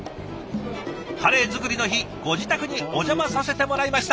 カレー作りの日ご自宅にお邪魔させてもらいました。